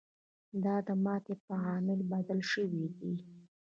دا د ماتې په عامل بدل شوی دی.